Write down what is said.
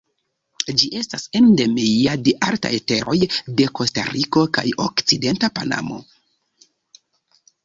Ĝi estas endemia de altaj teroj de Kostariko kaj okcidenta Panamo.